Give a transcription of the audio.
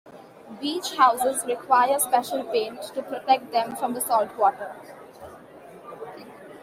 Beach houses require special paint to protect them from the salt water.